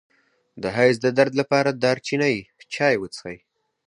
د حیض د درد لپاره د دارچینی چای وڅښئ